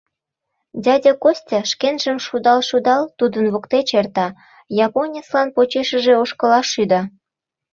Дядя Костя, шкенжым шудал-шудал, тудын воктеч эрта, японецлан почешыже ошкылаш шӱда.